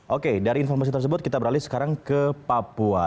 oke dari informasi tersebut kita beralih sekarang ke papua